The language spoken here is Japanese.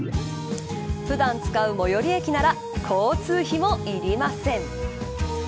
普段使う最寄り駅なら交通費もいりません。